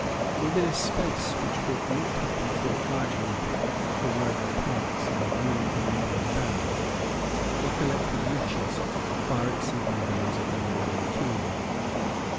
Within a space which would not have been thought large enough for one of the parks of a rude northern baron were collected riches far exceeding those of a northern kingdom.